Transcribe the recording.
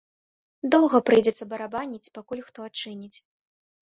Доўга прыйдзецца барабаніць, пакуль хто адчыніць.